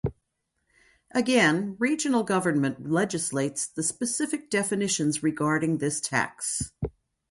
Again, Regional Government legislates the specific definitions regarding this tax.